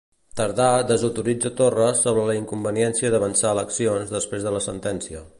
Tardà desautoritza Torra sobre la inconveniència d'avançar eleccions després de la sentència.